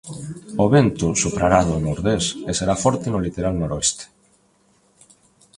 O vento soprará do nordés, e será forte no litoral noroeste.